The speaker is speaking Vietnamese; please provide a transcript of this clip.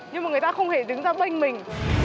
nhưng mà người ta không hề đứng ra bênh mình